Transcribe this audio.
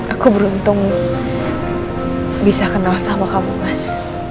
aku beruntung bisa kenal sama kamu mas